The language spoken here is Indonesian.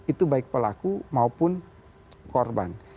itu baik pelaku maupun korban